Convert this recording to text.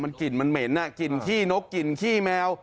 กลิ่นมันเหม็นกลิ่นขี้นกกลิ่นขี้แมว